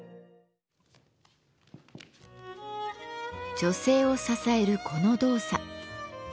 女性を支えるこの動作。